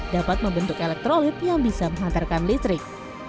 dapat membentuk elektrolit yang bisa menghantarkan listrik